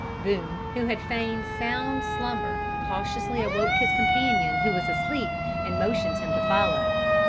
Boone, who had feigned sound slumber, cautiously awoke his companion who was asleep and motioned him to follow.